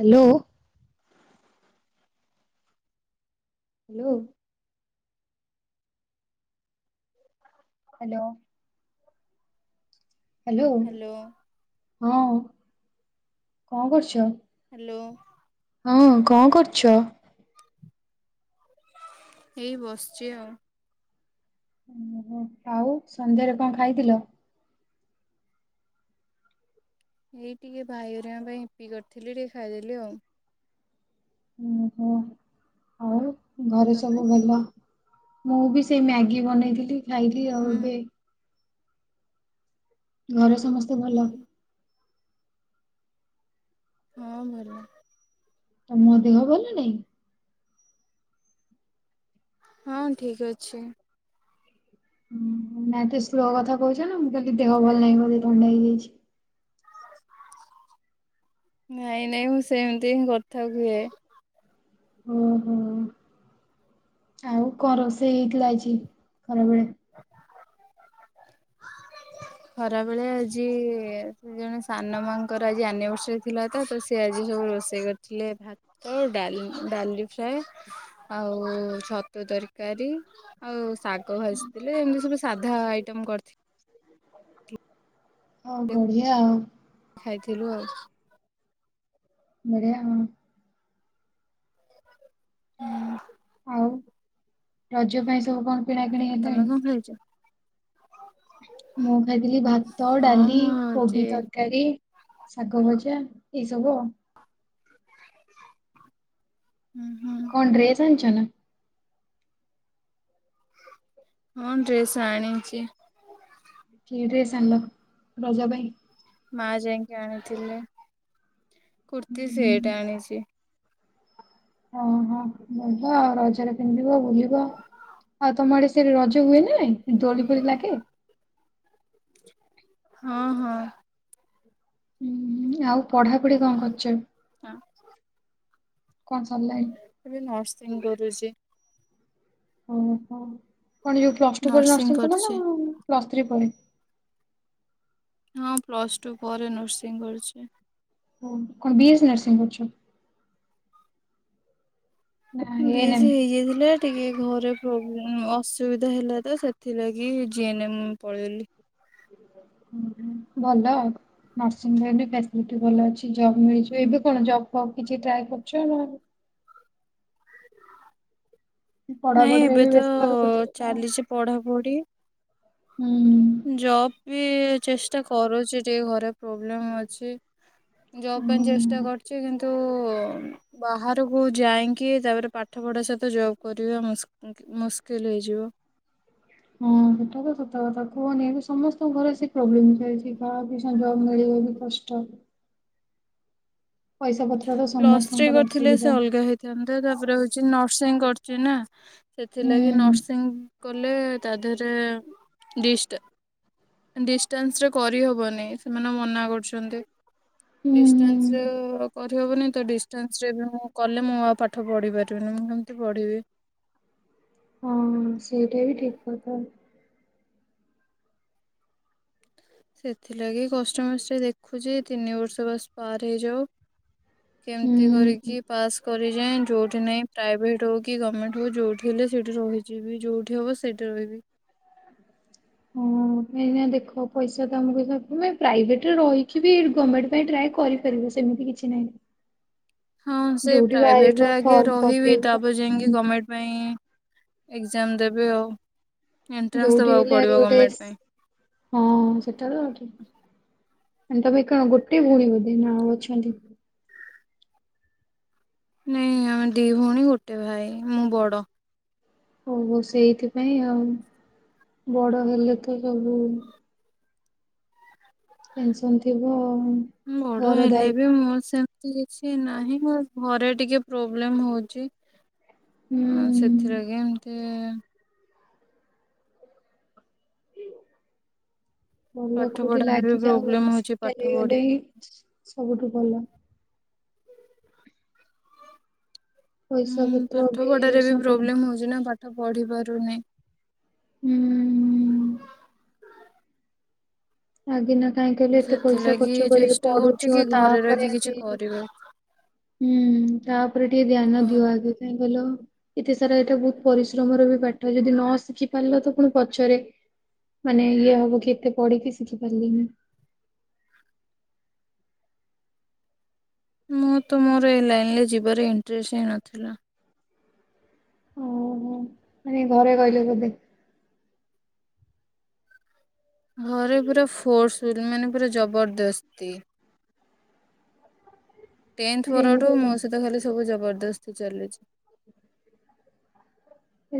Hello. Hello. Hello. Hello ହଁ କଣ କରୁଛ? ହ୍ୟାଲୋ। ହଁ କଣ କରୁଛ? ଏଇ ବସିଛି ଆଉ। ଓ ହୋ ଆଉ ସନ୍ଧ୍ୟାରେ କଣ ଖାଇଥିଲ? ଏଇ ଟିକେ ଭାଇ ହେରିକା ପାଇଁ ଇପି କରିଥିଲି ଟିକେ ଖାଇଦେଲି ଆଉ। ଓହୋ ଆଉ ଆଉ ଘରେ ତମେ? ସବୁ ଭଲ? ମୁଁ ବି ସେଇ ମ୍ୟାଗି ବନେଇଥିଲି। ଖାଇଲି ଆଉ ହୁଁ ଏବେ ଘରେ ସମସ୍ତେ ଭଲ? ହଁ ଭଲ। ତମ ଦେହ ଭଲ ନାଇଁ? ହଁ ଠିକ୍ ଅଛି। ହୁଁ ଏତେ ସ୍ଲୋ କଥା କହୁଛ ନା ମୁଁ ଖାଲି ଦେହ ଭଲ ନାହିଁ ବୋଧେ ଥଣ୍ଡା ହେଇଯାଇଛି। ନାଇଁ ନାଇଁ ମୁଁ ସେମିତି ହିଁ କଥା ହୁଏ। ଓ ହୋ। ଆଉ କଣ ରୋଷେଇ ହେଇଥିଲା ଆଜି ଖରାବେଳେ? ଖରାବେଳେ ଆଜି ଜଣେ ସାନ ମାମୁଁ ଙ୍କର ଆଜି ଆନିଭର୍ସରୀ ତ ଥିଲା ତ ସି ଆଜି ସବୁ ରୋଷେଇ କରିଥିଲେ ଭାତ ଡାଲି ଡାଲି ଫ୍ରାଏ ଆଉ ଛତୁ ତରକାରୀ ଆଉ ଶାଗ ଭାଜିଥିଲେ ଏମିତି ସବୁ ସାଧା ଆଇଟମ କରିଥିଲେ। ହଁ ବଢିଆ ଆଉ। ଖାଇଥିଲୁ ଆଉ। ବଢିଆ। [unintelligible] ଆଉ ରଜ ପାଇଁ ସବୁ କଣ କିଣା କିିଣି ଆଉ ତମେ ହେଲାଣି? କଣ ଖାଇଛ? ମୁଁ ଖାଇଥିଲି ଭାତ ହଁ ଡାଲି ମୁଁ ଯେ କୋବି ତରକାରୀ ଶାଗ ଭଜା ଏଇ ସବୁ ଆଉ। ହୁଁ ହୁଁ। କଣ ଡ୍ରେସ ଆଣିଛ ନା? ହଁ ଡ୍ରେସ୍ ଆଣିଛି। କି ଡ୍ରେସ ଆଣିଲ ରଜ ପାଇଁ? ମା ଯାଇକି ଆଣିଥିଲେ କୁର୍ତ୍ତି ହୁଁ। ସେଟ ଆଣିଛି। ହଁ ହଁ ବଢିଆ ଆଉ ରଜରେ ପିନ୍ଧିବ ବୁଲିବ। ଆଉ ତମ ଆଡେ ସେ ରଜ ହୁଏ ନା ନାଇ ଦୋଳି ଫୋଳି ଲାଗେ? ହଁ ହଁ। ହୁଁ ଆଉ ପଢାପଢି କଣ କରୁଛ କଣ ସରିଲାଣି। ଏବେ ନର୍ସିଂ କରୁଛି। ଓହୋ କଣ ଯୋଉ ପ୍ଲସ୍ ଟୁ ପରେ ନର୍ସିଂ କଲା ନା ପ୍ଲସ୍ ଥ୍ରୀ ପରେ? ହଁ ପ୍ଲସ୍ ଟୁ ପରେ ନର୍ସିଂ କରୁଛି। ଓ କଣ ବି ଏ ସି ନର୍ସିଂ କରୁଛ? ନା ବି ଏ ଏନ୍ ଏମ୍? ସି ହେଇଯାଇଥିଲା ଟିକେ ଘରେ ପ୍ରୋବ୍ଲେ ଅସୁବିଧା ହେଲା ତ ସେଥିଲାଗି ଜି ଏନ୍ ଏମ୍ ପଳେଇଲି। ଉଁହୁଁ ଭଲ ଆଉ। ନର୍ସିଂ ପାଇଁ ବି ଫାସିଲିଟି ଭଲ ଅଛି ଜବ୍ ମିଳିିଯିବ ଏବେ କଣ ଜବ୍ ଫବ୍ କିଛି ଟ୍ରାଏ କରୁଛ ନା? ନାଇଁ ପଢାପଢିରେ ଏବେ ବି ତ ବ୍ୟସ୍ତ ରହୁଥିବ ଚାଲିଚି ପଢାପଢି। ହୁଁ। ଜବ୍ ବି ଚେଷ୍ଟା କରୁଚି ଟିକେ ଘରେ ପ୍ରୋବ୍ଲେମ୍ ଅଛି। ଜବ୍ ପାଇଁ ଚେଷ୍ଟା ହୁଁ। କରୁଚି କିନ୍ତୁ ବାହାରକୁ ଯାଇଁକି ତାପରେ ପାଠପଢା ସହିତ ଜବ୍ କରିବା ମୁସ୍କ ମୁସ୍କିଲ ହେଇଯିବ। ହଁ ସେଟା ତ ସତ କଥା କୁହନି ଏବେ ସମସ୍ତଙ୍କ ଘରେ ସେଇ ପ୍ରୋବ୍ଲେମ ଚାଲଚି କାହାକୁ [unintelligible] ଜବ ମିଳିବା ବି କଷ୍ଟ। ପଇସା ପତ୍ ପ୍ଲସ ଥ୍ରି କରିଥିଲେ ସେ ଅଲଗା ହେଇ ଥାନ୍ତୁ ତାପରେ ହୋଉଚି ନର୍ସିଂ କରଚି ନା ସେଥିଲାଗି ହୁଁ ନର୍ସିଂ କଲେ ତା ଦେହରେ ଡିଷ୍ଟା ଡିଷ୍ଟାନ୍ସରେ କରିହବନି ସେମାନେ ମନା କରୁଛନ୍ତି। ହୁଁ ହୁଁ ଡିଷ୍ଟାନ୍ସରେ କର୍ ହେବନି ତ ଡିଷ୍ଟାନ୍ସରେ ବି ମୁଁ କଲେ ମୁଁ ଆଉ ପାଠ ପଢ଼ି ପାରିବିନି ମୁଁ କେମତି ପଢ଼ିବି? ହଁ ସେଇଟା ବି ଠିକ୍ କଥା। ସେଥିଲାଗି କଷ୍ଟେ ମଷ୍ଟେ ଦେଖୁଚି ତିନି ବର୍ଷ ବାସ ପାର ହେଇଯାଉ। କେମତି ହୁଁ। କରିକି ପାସ୍ କରିଯାଏଁ ଯୋଉଠି ନାଇଁ ପ୍ରାଇଭେଟ ହୋଉ କି ଗମେଣ୍ଟ ହୋଉ ଯୋଉଠି ହେଲେ ସେଇଠି ରହି ଯିବି ଯୋଉଠି ହବ ସେଇଠି ରହିବି। ହୁଁ। ନାଇଁ ଏଇନା ଦେଖ ପଇସା ତମକୁ ଦ ମାନେ ପ୍ରାଇଭେଟରେ ରହିକି ବି ଗମେଣ୍ଟ ପାଇଁ ଟ୍ରାଏ କରିପାରିବ ସେମିତି କି କିଛି ହଁ ନାହିଁ ସେ ଯୋଉଠି ପ୍ରାଇଭେଟରେ ବାହାରିବ ଆଗେ ଫର୍ମ ରହିବି ତାପରେ ଯାଇକି ପକେଇବ ଗଭର୍ଣ୍ଣମେଣ୍ଟ ପାଇଁ ଏକଜାମ୍ ଦେବି ଆଉ ଏଣ୍ଟ୍ରାନ୍ସ ଯୋଉଠି ଦବାକୁ ହେଲେ ଆଗେ ପଡ଼ିବ ଗୋଟେ ଗମେଣ୍ଟ ପାଇଁ। ହଁ ସେଟାରୁ ଆଉ ଠିକ ମାନେ ତମେ ଏକା ଗୋଟେ ଭୋଉଣୀ ବୋଧେ ନା ଆଉ ଅଛନ୍ତି? ନାଇଁ ଆମେ ଦି ଭୋଉଣୀ ଗୋଟେ ଭାଇ ମୁଁ ବଡ। ଓହୋ ସେଇଥିପାଇଁ ଆଉ ବଡ ହେଲେ ତ ସବୁ ଟେନସନ୍ ଥିବ ଆଉ। ଉମ୍ ବଡ ଘର ହେଲେ ଦାୟୀ ବି ମୋ ସେମ୍ ମତି କିଛି ନାହିଁ ମୋର ଘରେ ଟିକେ ପ୍ରୋବ୍ଲେମ ହୋଉଚି ଆ ହୁଁ ସେଥିଲାଗି ଏମତି ଭଲ ପାଠ କୋଉଠି ପଢାରେ ବି ଲାଗିଯାଉ ପ୍ରୋବ୍ଲେମ [unintelligible] ହଉଛି ପାଠ ସେଟେଲେ ପଢି ହେଇଗଲେ ହିଁ ସବୁଠୁ ଭଲ। ପଇସା ଉଁ ପତ୍ର ପାଠ ପଢ଼ାରେ ବି ସଞ୍ଚୟ ପ୍ରୋବ୍ଲେମ୍ ହୋଉଚି ନା ପାଠ ପଢ଼ିପାରୁନି। ଉଁହୁଁ। ଆଗେ ନା କାହିଁକି କହିଲେ ଏତେ ପଇସା ସେଥିଲାଗି ଖର୍ଚ୍ଚ କରିକି ଚେଷ୍ଟା କରୁଛି ପଢୁଛ କି ଘରେ ରହିକି ତାପରେ କିଛି ଆଗେ କରିବା ଉଁହୁଁ ତାଉପରେ ଟିକେ ଧ୍ୟାନ ଦିଅ ହଁ। ଆଗେ କାହିଁକି କହିଲ ଏତେ ସାରା ଏଟା ବୋହୁତ ପରିଶ୍ରମର ବି ପାଠ ଯଦି ନ ଶିଖି ପାରିଲ ତ ପୁଣି ପଛରେ ମାନେ ଇଏ ହବ କି ଏତେ ପଢିକି ଶିଖି ପାରିଲିନି। ମୁଁ ତ ମୋର ଏ ଲାଇନରେ ଯିବାର ଇଣ୍ଟରେଷ୍ଟ ହିଁ ନଥିଲା। ଓହୋ ମାନେ ଘରେ କହିଲେ ବୋଧେ? ଘରେ ପୁରା ଫୋର୍ସଫୁଲ ମାନେ ପୁରା ଜବରଦସ୍ତି। ଟେନଥ୍ ଆରେ ପରଠୁ ଏମିତି ମୋ ସହିତ ଖାଲି ସବୁ ଜବରଦସ୍ତି ଚାଲିଚି।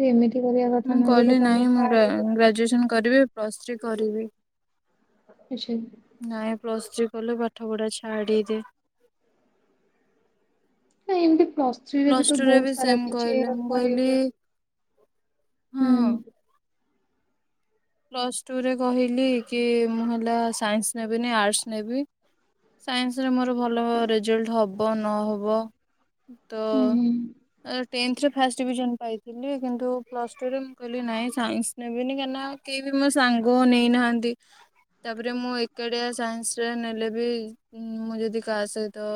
ଏମିତି କହିବ ମୁଁ କହିଲି ନାହିଁ ମୁଁ ଗ୍ରାଜୁଏସନ କରିବି ପ୍ଲସ୍ ଥ୍ରୀ କରିବି। ଆଚ୍ଛା ନାଇଁ ପ୍ଲସ ଥ୍ରୀ କଲେ ପାଠ ପଢା ଛାଡିଦେ। ନା ଏମିତି ପ୍ଲସ ସେ ବି ତ ଟୁ ରେ ବହୁତ ସାରା ସେମ କିଛି କହିଲେ ମୁଁ କହିଲି କରିବାକୁ ହୁଁ। ହଁ ପ୍ଲସ୍ ଟୁରେ କହିଲି କି ମୁଁ ହେଲା ସାଇନ୍ସ ନେବିନି ଆର୍ଟସ୍ ନେବି। ସାଇନ୍ସରେ ମୋର ଭଲ ରେଜଲ୍ଟ ହେବ ନହବ ତ ହୁଁ ହୁଁ ଅ ଟେନ୍ଥରେ ଫାଷ୍ଟ ଡିଭିଜନ ପାଇଥିଲି କିନ୍ତୁ ପ୍ଲସ୍ ଟୁରେ ମୁଁ କହିଲି ନାହିଁ ସାଇନ୍ସ ନେବିନି କାହିଁକିନା କେହି ବି ମୋ ସାଙ୍ଗ ନେଇନାହାନ୍ତି। ତାପରେ ମୁଁ ଏକାଡିଆ ସାଇନ୍ସରେ ନେଲେ ବି ମୁଁ ଯଦି କାସେ ତ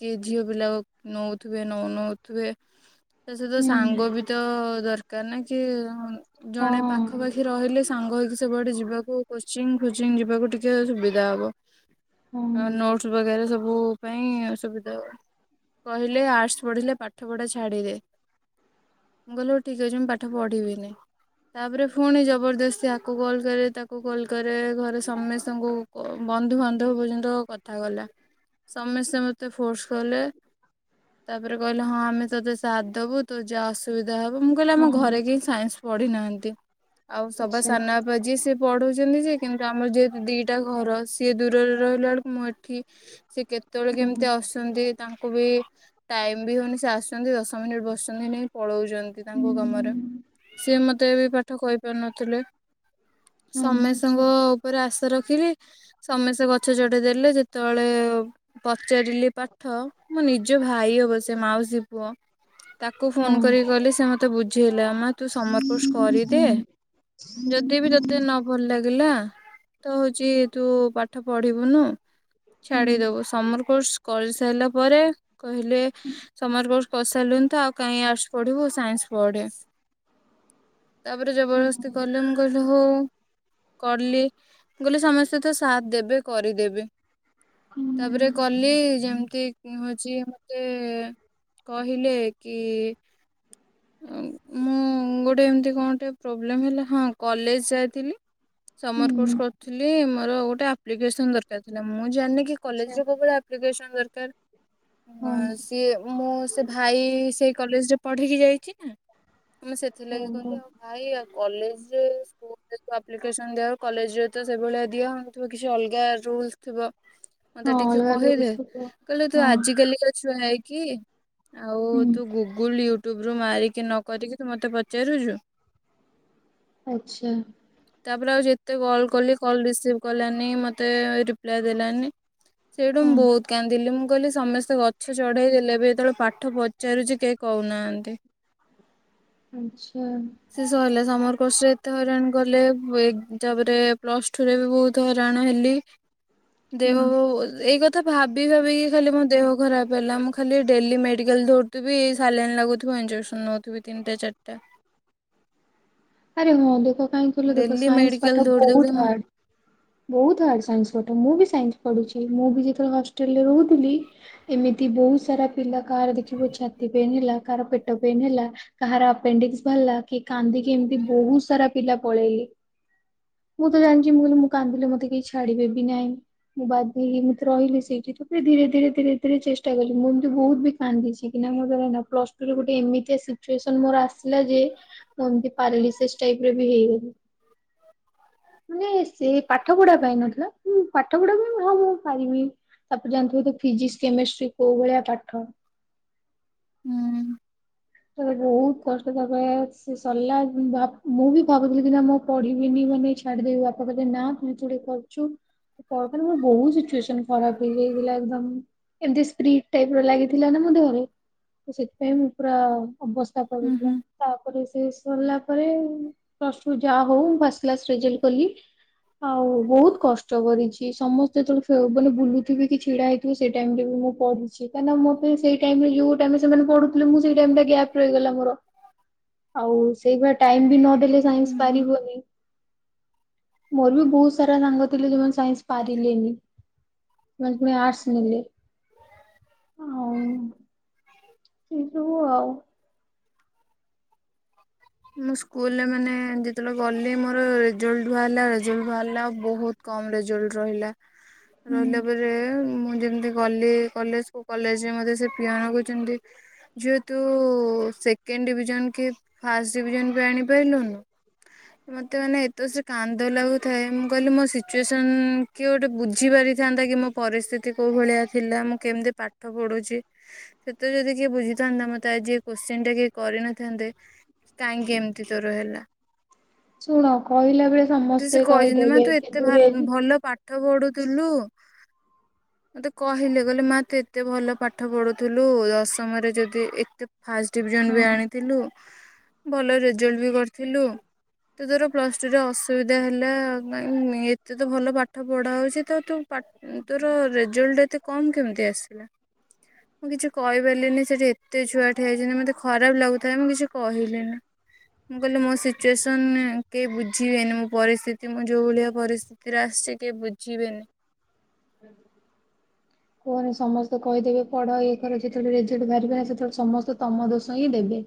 କିଏ ଝିଅ ପିଲା ନଉଥିବେ ନ ନଉଥିବେ। ତା ସହିତ ହୁଁ ସାଙ୍ଗ ବି ତ ଦରକାର ନା କି ଜଣେ ହଁ ପାଖାପାଖି ରହିଲେ ସାଙ୍ଗ ହେଇକି ସବୁଆଡେ ଯିବାକୁ କୋଚିଫୋଚିଂ ଯିବାକୁ ଟିକେ ସୁବିଧା ହବ। ହଁ ନୋଟ ବଗେରା ସବୁ ପାଇଁ ସୁବିଧା ହ କହିଲେ ଆର୍ଟସ ପଢିଲେ ପାଠ ପଢା ଛାଡିଦେ। ମୁଁ କହିଲ ହଉ ଠିକ ଅଛି ମୁଁ ପାଠ ପଢିବିନି। ତାପରେ ପୁଣି ଜବରଦ ସ୍ତୀ ୟକୁ କଲ୍ କରେ ତାକୁ କଲ୍ କରେ, ଘରେ ସମସ୍ତଙ୍କୁ ବନ୍ଧୁବାନ୍ଧବ ପର୍ଯ୍ୟନ୍ତ କ ଥା ଗଲା ସମସ୍ତେ ମତେ ଫୋର୍ସ କଲେ। ତାପରେ କହିଲେ ହଁ ଆମେ ତତେ ସାଥ ଦବୁ। ତୁ ଯା ଆସ ସୁବିଧା ହବ। ମୁଁ କହିଲି ଆମ ହଁ ଘରେ କେହି ସାଇନ୍ସ ପଢି ନାହାନ୍ତି। ଆଉ ସବା ଆଚ୍ଛା ସାନ ବା ବା ଯିଏ ସିଏ ପଢ଼ଉଛନ୍ତି ଯେ, କିନ୍ତୁ ଆମର ଯେହେତୁ ଦିଟା ଘର ସିଏ ଦୂରରେ ରହିଲା ବେଳକୁ ମୁଁ ଏଠି ସେ କେତେବେଳେ ହଁ କେମିତି ଅସ ଛନ୍ତି ତାଙ୍କୁ ବି ଟାଇମ ବି ହଉନି। ସେ ଆସୁଛନ୍ତି ଦଶ ମିନିଟ ବସଛନ୍ତିକି ନାହିଁ ପଳଉ ଛନ୍ତି ହୁଁ ତାଙ୍କ କାମରେ, ସିଏ ମତେ ଏବେ ପାଠ କହିପାରୁ ନଥିଲେ। ହଁ ସମୟ ସଙ୍ଗ ଆଚ୍ଛା ଉପରେ ଆଶା ରଖିଲି, ସମସ୍ତେ ଗଛ ଚଢେଇ ଦେଲେ ଯେତେବେଳେ ପଚାରିଲି ପାଠ ମୋ ନିଜ ଭାଇ ହବ ସେ ମାଉସୀ ପୁଅ। ତାକୁ ଫୋନ ହଁ କରିକି କହିଲେ, ସେ ମତେ ବୁଝେଇଲା ତୁ ସମରକୋର୍ସ ହୁଁ କରିଦେ। ଯଦି ବି ତତେ ନ ଭଲ ଲାଗିଲା, ତ ହଉଛି ତୁ ପାଠ ପଢିବୁନୁ। ହୁଁ ଛାଡିଦବୁ। ସମର କୋର୍ସ କରି ସାରିଲା ପରେ କହିଲେ ସମର କୋର୍ସ କରିସାରିଲୁଣି ତ ଆଉ କାହିଁ ଆର୍ଟସ ପଢିବୁ ସାଇନ୍ସ ପଢେ। ତାପରେ ହୁଁ ଜବରଦସ୍ କଲେ ମୁଁ କହିଲି ହଉ। କଲି ମୁଁ କହିଲି ସମସ୍ତେ ତ ସାଥ ଦେବେ କରିଦେବେ। ହୁଁ ତାପରେ କଲି ଯେମିତି କି ହଉଛି ମତେ କହିଲେ କି ଆଁ ମୁଁ ଗୋଟେ ଏମିତି କଣ ଟିକେ ପ୍ରୋବ୍ଲେମ୍ ହେଲା, ହଁ କଲେଜ ଯାଇଥିଲି। ହଁ [inaudible] ସମର୍ କୋର୍ସ କରିୁଥିଲି, ମୋର ଗୋଟେ ଆପ୍ଲିକେସନ୍ ଦରକାର ଥିଲା। ମୁଁ ଜାଣିନି କି ଆଚ୍ଛା କଲେଜରେ କୋଉ ଭଳିଆ ଆପ ଲିକେଶନ ଦରକାର୍ ହଁ ଆଁ ଇଏ ମୁଁ ସେ ଭାଇ ସେଇ କଲେଜରେ ପଢିକି ଯାଇଛି ନା, ମାନେ ସେ ସେଥିଲାଗି ହଁ କହିଲ ଆଉ ଭାଇ ଆଉ କଲେଜରେ ସ୍କୁଲରେ ଯୋଉ ଆପ୍ଲିକେସନ୍ ଦିଆ ହୁଏ। କଲେଜ ରେ ତ ସେଇଭଳିଆ ଦିଆ ହଉନଥିବ କିଛି ଅଲଗା ରୁଲସ ଥିବ। ହଁ [inaudible] ମତେ ଟିକେ ଅଲଗା କହିଦେ, କହିଲେ ତୁ ଆଜିକାଲିକା ଛୁଆ ହେଇକି ଆଉ ହୁଁ ତୁ ଗୁଗୁଲ ୟୁଟ୍ୟୁବ ରୁ ମାରିକି ନ କରିକି ତୁ ମତେ ପଚାରୁଚୁ। ଆଛା। ତାପରେ ଆଉ ଯେତେ କଲ୍ କଲି, କଲ ରିସିଭ୍ କଲାନି ମତେ ରିପ୍ଲାଏ ଦେଲାନି। ସେଉଠୁ ମୁଁ ହଁ ବହୁତ କାନ୍ଦିଲି ମୁଁ କହିଲି ସମସ୍ତେ ଗଛ ଚଢେଇ ଦେଲେ ଏବେ ଯେତେବେଳେ ପାଠ ପଚାରୁଛି କେହି କହୁନାହାନ୍ତି। ଆଚ୍ଛା। ଶେଷହେଲା ସମର କୋର୍ସ ରେ ଏତେ ହଇରାଣ। କଲେ ଏ ତାପରେ ପ୍ଲସ ଟୁ ରେ ବି ବହୁତ ହଇରାଣ ହେଲି। ହଁ ଦେହଉ ଏଇ କ ଥା ଭାବି ଭାବିକି ଖାଲି ମୋ ଦେହ ଖରାପ ହେଲା। ମୁଁ ଖାଲି ଡେଲି ମେଡ଼ିକାଲ ଧଉଡିଥିବି ସଲାଇନୀ ଲାଗୁଥିବ ଇଞଜେକ୍ସନ୍ ନଉଥିବି ତିନିଟା ଚାରିଟା। ଆରେ ହଁ ଦେଖ କାହିଁ କହିଲ ଦେଖ ଡେଲି ସାଇନ୍ସ ମେଡିକାଲ ପାଠ ଦୌଡି ଦୌଡି ବହୁତ ମୁଁ ହାର୍ଡ। ବହୁତ ହାର୍ଡ ସାଇନ୍ସ ପାଠ, ମୁଁ ବି ସାଇନ୍ସ ପଢୁଛି ମୁଁ ବି ଯେତେବେଳେ ହଷ୍ଟେଲରେ ରହୁଥିଲି। ଏମିତି ବହୁତ ସାରା ପିଲା। କାହାର ଦେଖିବୁ ଛାତି ପେନ୍ ହେଲା କାହାର ପେଟ ପେନ୍ ହେଲା କାହାର ଆପେଣ୍ଡିକସ ବାହାରିଲା କିଏ କାନ୍ଦିକି ଏମତି ବହୁତ ସାରା ପିଲା ପଳେଇଲେ। ମୁଁ ତ ଜାଣିଛି ମୁଁ କିତୁ ମୁ କାନ୍ଦିଲେ ମତେ କେହି ଛାଡିବେ ବି ନାହିଁ। ମୁଁ ବାଧ୍ୟ ହେଇକି [unintelligible] ରହିଲି ସେଇଠି। ତା ପରେ ଧୀରେ ଧୀରେ ଧୀରେ ଧୀରେ ଚେଷ୍ଟା କଲି ମୁ ଏିମିତି ବହୁତ୍ ବି କାନ୍ଦିଚି କି ନା ମୋର [unintelligible] ପ୍ଲସ ଟୁରେ ଗୋଟେ ଏମିତିଆ ସିଚୁଏସନ ମୋର ଆସିଲା ଯେ ମୁ ଏମତି ପାରଲିସିସ୍ ଟାଇପ ରେ ବି ହେଇଗଲି। ମାନେ ସେ ପାଠ ପଢା ପାଇଁ ନଥିଲା ପାଠ ପଢା ପାଇଁ ହଁ ମୁଁ ପାରିବି। ତାପରେ ଜାଣିଥିବୁ ତୁ ଫିଜିକ୍ସ କେମେଷ୍ଟ୍ରି କୋଉ ଭଳିଆ ପାଠ? ହୁଁ। ତ ବହୁତ କଷ୍ଟ ତାପରେ ସେ ସରିଲା ମୁଁ ବି ଭାବୁଥିଲି କି ନା ମୁଁ ପଢିବିନି ମାନେ ଛାଡିଦେବି। ବାପା କହିଲେ ନା ତୁ [unintelligible] କରୁଚୁ ପରଦିନ ମୋ ବହୁତ ସିଚୁଏସନ ଖରାପ ହେଇଯାଇଥିଲା ଏକଦମ୍। ଏମତି ସ୍ପ୍ରିଟ ଟାଇପ ର ଲାଗିଥିଲା ନା ମୋ ଦେହରେ। ତ ସେଥିପାଇଁ ମୁଁ ପୁରା ଅବସ୍ଥା ପଳେଇଥିଲା। ହୁଁ ତାପରେ ସେ ସରିଲା ପରେ ପ୍ଲସ ଟୁ ଯାହା ହଉ ମୁଁ ଫାଷ୍ଟ କ୍ଲାସ ରେଜଲଟ କଲି। ଆଉ ବହୁତ କଷ୍ଟ କରିଚି ସମସ୍ତେ ଯେତେବେଳେ ବୁଲୁଥିବେ କି ଛିଡା ହେଇ ସେଇ ଟାଇମ ରେ ବି ମୁଁ ପଢ଼ିଚି। କାହିଁକିନା ମେ ସେଇ ଟାଇମ ରେ ଯୋଉ ଟାଇମ ସେମାନେ ପଢୁଥିଲେ ମୁ ଗ୍ୟାପ୍ ରହିଗଲା ମୋର। ଆଉ ସେଇଭଳିଆ ଟାଇମ ବି ନଦଲେ ସାଇନ୍ସ ହୁଁ ପାରିବନି। ମୋର ବି ବହୁତ ସାରା ସାଙ୍ଗ ଥିଲେ ଯେଉମାନେ ସାଇନ୍ସ ପାରିଲେନି। ମାନେ ପୁଣି ଆର୍ଟସ୍ ନେଲେ। ଆଉ ଆ [unintelligible] ମୁଁ ସ୍କୁଲରେ ମାନେ ଯେତେବେଳେ ଗଲି ମୋର ରେଜଲ୍ଟ ବାହାରିଲା ରେଜଲ୍ଟ ବାହାରିଲା ଆଉ ବହୁତ କମ ରେଜଲ୍ଟ ରହିଲା। ହୁଁ ରହିଲା ପରେ ମୁଁ ଯେମିତି ଗଲି କଲେଜକୁ କଲେଜ ରେ ମତେ ସେ ପିଅନ କହୁଚନ୍ତି ଝିଅ ତୁ ସେକେଣ୍ଡ ଡିଭିଜନ କି ଫାଷ୍ଟ ଡିଭିଜନ ବି ଆଣିପାରିଲୁନୁ? ମୋତେ ମାନେ ଏତେ ଜୋରେ କାନ୍ଦ ଲାଗୁଥାଏ ମୁଁ କହିଲି ମୋ ସିଚୁଏସନ କିଏ ଗୋଟେ ବୁଝି ପାରିଥାନ୍ତା କି ମୋ ପରିସ୍ଥିତି କୋଉ ଭଳିଆ ଥିଲା। ମୁଁ କେମିତି ପାଠ ପଢୁଚି? ସେତେ ଯଦି କିଏ ବୁଝିଥାନ୍ତା ମୋତେ ଆଜି ଏ କୋଶ୍ଚିନ୍ ଟା କିଏ କରିନଥାନ୍ତେ। କାହିଁକି ଏମିତି ତୋର ହେଲା? ଶୁଣ କହିଲା ବେଳେ ତେ ସମସ୍ତେ ସେ କହିଚନ୍ତି ମା କହିଦେବେ ତୁ ଏତେ କିନ୍ତୁ ରେ- ଭଲ ପାଠ ପାଠ ପଢୁଥିଲୁ ମତେ କହିଲେ କହିଲେ ମା ତୁ ଏତେ ଭଲ ପାଠ ପଢୁଥିଲୁ ଦଶମରେ ଯଦି ଏତେ ଫାଷ୍ଟ ଡିଭିଜନ ହଁ ବି ଆଣିଥିଲୁ ଭଲ ରେଜଲ୍ଟ ବି କରିଥିଲୁ। ତ ତୋର ପ୍ଲସ ଟୁରେ ଅସୁବିଧା ହେଲା କାଇଁ ନେ ଏତେ ତ ଭଲ ପାଠ ପଢା ହଉଚି ତ ତୁ ପା ତୋର ରେଜଲ୍ଟ ଏତେ କମ୍ କେମିତି ଆସିଲା? ମୁଁ କିଛି କହିପାରିଲିନି ସେଠି ଏତେ ଛୁଆ ଠିଆ ହେଇଚନ୍ତି ମତେ ଖରାପ ଲାଗୁଥାଏ ମୁଁ କିଛି କହିଲି [unintelligible] ମୁଁ କହିଲି ମୋ ସିଚୁଏସନ କେହି ବୁଝିବେନି ମୋ ପରିସ୍ଥିତି ମୋ ଯୋଉ ଭଳିଆ ପରିସ୍ଥି ତି ରେ ଆସିଚି କେହି ବୁଝିବେନି। କୁହନି ସମସ୍ତେ କହିଦେବେ ପଢ ଇଏ କର ଯେତେବେଳେ ରେଜଲ୍ଟ ବାହାରିବେ ନା ସେତେବେଳେ ସମସ୍ତେ ତମ ଦୋଷ ହିଁ ଦେବେ।